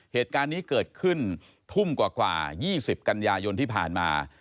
เหตุการณ์นี้เกิดขึ้นทุ่มกว่า๒๐กันยายนที่ผ่านมา